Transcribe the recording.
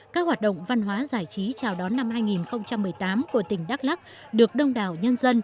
các hoạt động văn hóa giải trí chào đón năm hai nghìn một mươi tám của tỉnh đắk lắc được đông đảo nhân dân